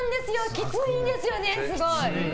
きついんですよね、すごい。